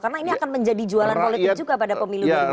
karena ini akan menjadi jualan politik juga pada pemilu dari bukit tengah